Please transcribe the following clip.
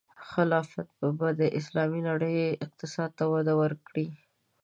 خلافت به د اسلامي نړۍ اقتصاد ته وده ورکړي.